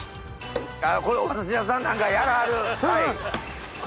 これお寿司屋さんなんかやらはる。